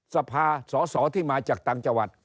สภาสอที่มาจากต่างจัวรรษ